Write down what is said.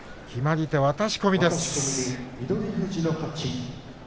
決まり手は渡し込みです。